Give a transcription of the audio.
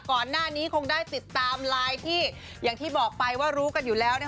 ก่อนหน้านี้คงได้ติดตามไลน์ที่อย่างที่บอกไปว่ารู้กันอยู่แล้วนะคะ